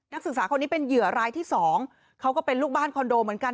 นักศึกษาคนนี้เป็นเหยื่อรายที่สองเขาก็เป็นลูกบ้านคอนโดเหมือนกัน